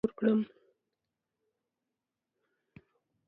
څنګه کولی شم د واټساپ ګروپ جوړ کړم